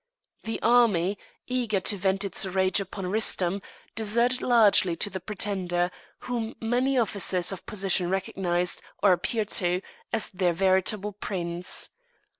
The army, eager to vent its rage upon Rustem, deserted largely to the pretender, whom many officers of position recognized, or appeared to, as their veritable prince.